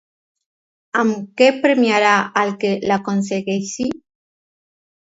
Amb què premiarà al que l'aconsegueixi?